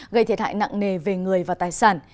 gây thiệt hại nặng nề về người và tài sản